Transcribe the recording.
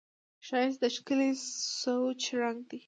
ښایست د ښکلي سوچ رنګ دی